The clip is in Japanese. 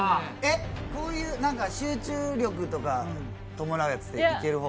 こういう集中力とか伴うやつっていける方？